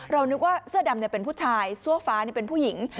เรานึกว่าเสื้อดำเนี้ยเป็นผู้ชายสั้นฟ้าเนี้ยเป็นผู้หญิง